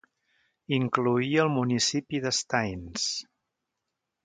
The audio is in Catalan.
Incloïa el municipi de Stains.